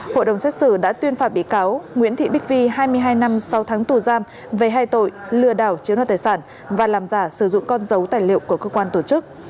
hội đồng xét xử đã tuyên phạt bị cáo nguyễn thị bích vi hai mươi hai năm sáu tháng tù giam về hai tội lừa đảo chiếm đoạt tài sản và làm giả sử dụng con dấu tài liệu của cơ quan tổ chức